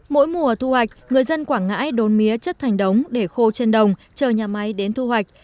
mỗi mùa thu hoạch người dân quảng ngãi đốn mía chất thành đống để khô trên đồng chờ nhà máy đến thu hoạch